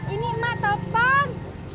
ini emak telpon